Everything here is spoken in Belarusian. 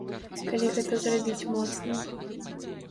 Калі гэта зрабіць моцна.